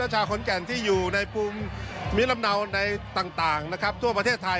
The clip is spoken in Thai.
ชาวขอนแก่นในปุ่มมิการามเนินลำ่าววิธีใตลังประเทศไทย